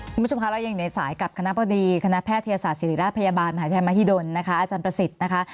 คุณผู้ชมคะเรายังอยู่ในสายกับคณะบดีคณะแพทยศาสตร์ศิริราชพยาบาลมหาชัยมหิดลนะคะอาจารย์ประสิทธิ์นะคะ